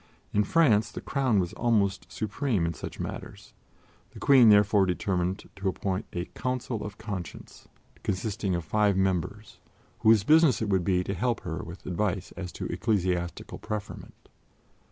In France the Crown was almost supreme in such matters; the Queen therefore determined to appoint a "Council of Conscience" consisting of five members, whose business it would be to help her with advice as to ecclesiastical preferment.